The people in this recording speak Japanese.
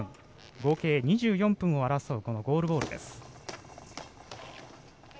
合計２４分を争うゴールボールです。